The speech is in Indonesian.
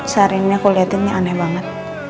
seharian ini aku liatin ini aneh banget